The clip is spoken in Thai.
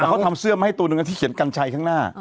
แต่เขาทำเสื้อมาให้ตัวหนึ่งที่เขียนกัญชัยข้างหน้า